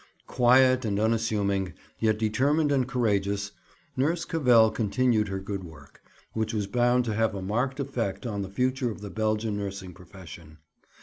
Quiet and unassuming, yet determined and courageous, Nurse Cavell continued her good work, which was bound to have a marked effect on the future of the Belgian nursing profession.